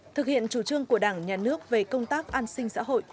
thực hiện chủ trương của đảng nhà nước về công tác an sinh xã hội